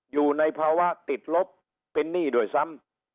อยู่ในภาวะติดลบเป็นหนี้ด้วยซ้ำ